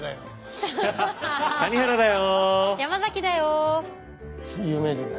谷原だよ。